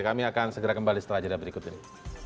kami akan segera kembali setelah jeda berikut ini